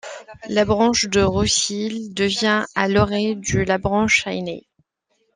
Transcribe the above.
La branche de Roussilhe devient à l'orée du la branche ainée.